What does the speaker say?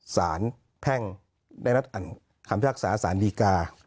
สารแพ่งได้นัดอ่านคำพิพากษาสารดีกา